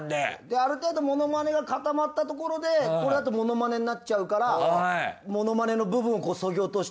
ある程度モノマネが固まったところでこれだとモノマネになっちゃうからうわ